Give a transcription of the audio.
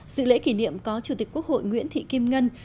sự lễ kỷ niệm có chủ tịch quốc hội nguyễn thị kim ngân